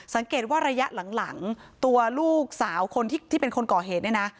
สังเกตว่าระยะหลังตัวลูกสาวคนที่เป็นคนก่อเหตุเนี่ยนะ